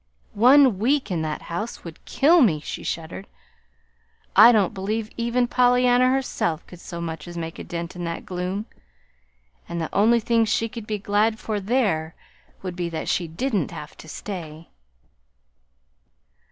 "One week in that house would kill me," she shuddered. "I don't believe even Pollyanna herself could so much as make a dent in the gloom! And the only thing she could be glad for there would be that she didn't have to stay."